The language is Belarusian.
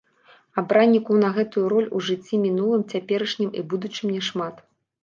Абраннікаў на гэтую ролю ў жыцці мінулым, цяперашнім і будучым няшмат.